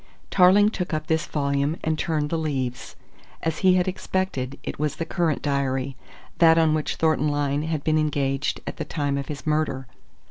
Tarling took up this volume and turned the leaves. As he had expected, it was the current diary that on which Thornton Lyne had been engaged at the time of his murder.